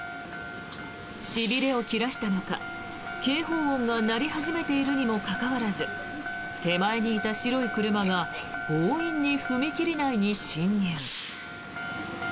しびれを切らしたのか警報音が鳴り始めているにもかかわらず手前にいた白い車が強引に踏切内に進入。